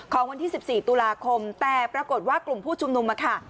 วันที่๑๔ตุลาคมแต่ปรากฏว่ากลุ่มผู้ชุมนุมค่ะ